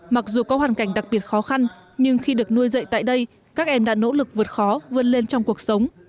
mặc dù có hoàn cảnh đặc biệt khó khăn nhưng khi được nuôi dạy tại đây các em đã nỗ lực vượt khó vươn lên trong cuộc sống